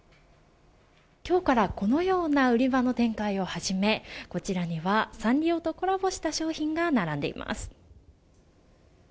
今日から、このような売り場の展開を始めこちらにはサンリオとコラボした商品が並んでいます。